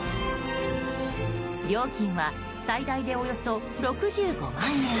料金は最大でおよそ６５万円。